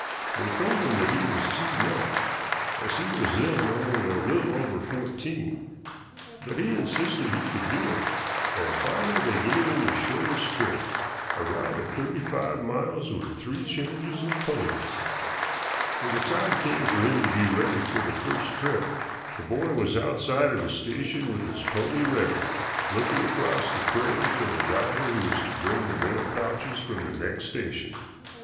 They told him that he was too young, as he was then only a little over fourteen. But he insisted he could do it, and finally they gave him the shortest trip, a ride of thirty five miles with three changes of ponies. When the time came for him to be ready for the first trip the boy was outside of his station with his pony ready, looking across the prairie for the rider who was to bring the mail pouches from the next station.